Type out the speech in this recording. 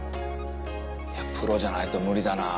プロじゃないと無理だな。